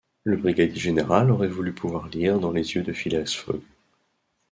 Le brigadier général aurait voulu pouvoir lire dans les yeux de Phileas Fogg.